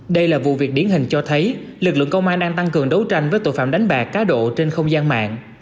đây là vụ việc điển hình cho thấy lực lượng công an đang tăng cường đấu tranh với tội phạm đánh bạc cá độ trên không gian mạng